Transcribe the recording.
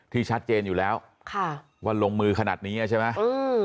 ชัดเจนอยู่แล้วค่ะว่าลงมือขนาดนี้อ่ะใช่ไหมอืม